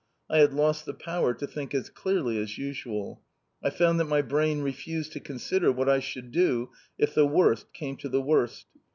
I had lost the power to think as clearly as usual. I found that my brain refused to consider what I should do if the worst came to the worst.